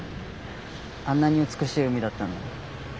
あんなに美しい海だったのに。